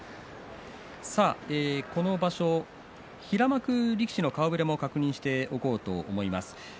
この場所平幕力士の顔ぶれも確認しておこうと思います。